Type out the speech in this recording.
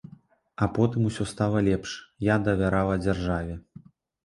А потым усё стала лепш, я давярала дзяржаве.